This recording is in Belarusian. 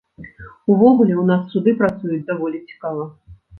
Увогуле ў нас суды працуюць даволі цікава.